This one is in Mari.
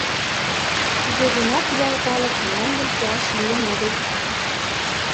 Туге гынат ял калык мландым пуаш лийын огыл.